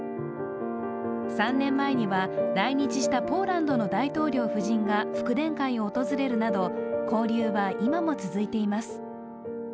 ３年前には来日したポーランドの大統領夫人が福田会を訪れるなど交流は今も続いています。